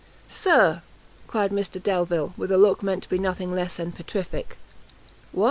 "Sir!" cried Mr Delvile, with a look meant to be nothing less than petrific. "What!"